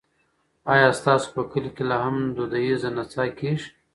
ایا ستاسو په کلي کې لا هم دودیزه نڅا کیږي؟